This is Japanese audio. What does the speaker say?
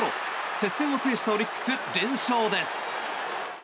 接戦を制したオリックス連勝です。